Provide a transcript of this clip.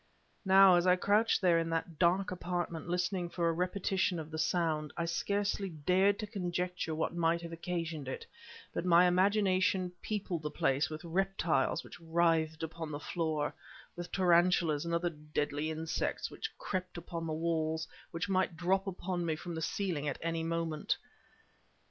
Now, as I crouched there in that dark apartment listening for a repetition of the sound, I scarcely dared to conjecture what might have occasioned it, but my imagination peopled the place with reptiles which writhed upon the floor, with tarantulas and other deadly insects which crept upon the walls, which might drop upon me from the ceiling at any moment.